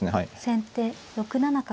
先手６七角。